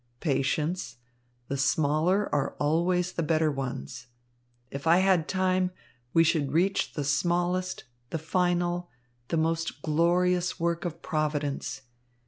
"Patience. The smaller are always the better ones. If I had time, we should reach the smallest, the final, the most glorious work of Providence.